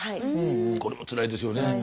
これもつらいですよね。